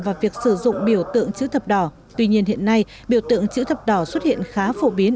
và việc sử dụng biểu tượng chữ thập đỏ tuy nhiên hiện nay biểu tượng chữ thập đỏ xuất hiện khá phổ biến